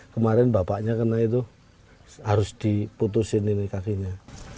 kemarin bapaknya kena itu harus diputusin ini kakinya